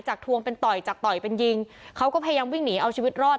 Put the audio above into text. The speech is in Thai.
ทวงเป็นต่อยจากต่อยเป็นยิงเขาก็พยายามวิ่งหนีเอาชีวิตรอด